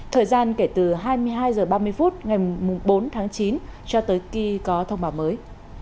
thời gian kể từ hai mươi hai h ba mươi phút ngày bốn tháng chín cho tới khi có thông báo mới